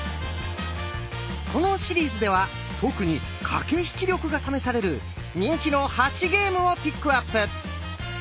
このシリーズでは特に駆け引き力が試される人気の８ゲームをピックアップ。